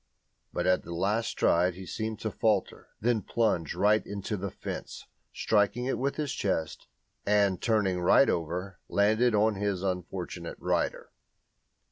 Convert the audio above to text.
But at the last stride he seemed to falter, then plunged right into the fence, striking it with his chest, and, turning right over, landed on his unfortunate rider.